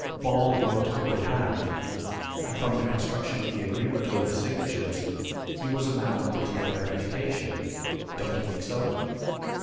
Ball wrote a good hand, and from the construction of the agreement over the signatures he was a man of pretty fair education. Don't you think so?